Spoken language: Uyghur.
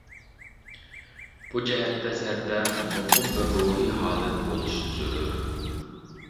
بۇ جەھەتتە سەندە مۇقىم بىر روھىي ھالەت بولۇشى زۆرۈر.